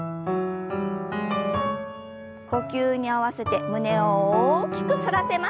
呼吸に合わせて胸を大きく反らせます。